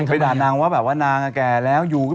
ไปด่านางว่าแบบว่านางแก่แล้วอยู่